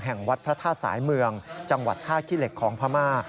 แห่งวัดพระธาตุสายเมืองจังหวัดท่ากิเล็กของพระม่า